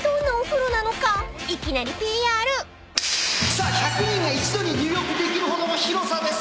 さあ１００人が一度に入浴できるほどの広さです。